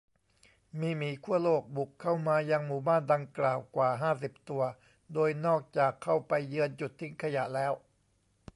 มีหมีขั้วโลกบุกเข้ามายังหมู่บ้านดังกล่าวกว่า ห้าสิบ ตัว โดยนอกจากเข้าไปเยือนจุดทิ้งขยะแล้ว